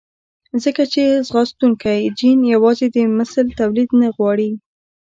ځکه چې ځانغوښتونکی جېن يوازې د مثل توليد نه غواړي.